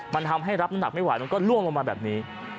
มันทำให้รับน้ำหนักไม่ไหวมันก็ล่วงลงมาแบบนี้